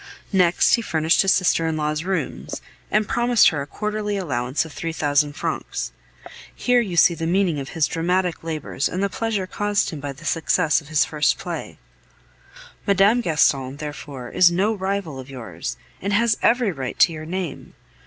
Next he furnished his sister in law's rooms, and promised her a quarterly allowance of three thousand francs. Here you see the meaning of his dramatic labors and the pleasure caused him by the success of his first play. Mme. Gaston, therefore, is no rival of yours, and has every right to your name.